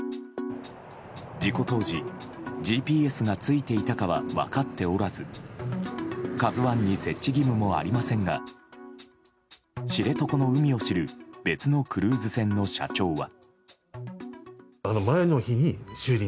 事故当時、ＧＰＳがついていたかは分かっておらず「ＫＡＺＵ１」に設置義務もありませんが知床の海を知る別のクルーズ船の社長は。